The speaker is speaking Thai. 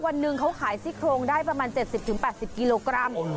วันหนึ่งเขาขายซี่โครงได้ประมาณ๗๐๘๐กิโลกรัม